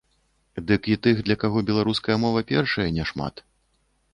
Ды і тых, для каго беларуская мова першая, няшмат.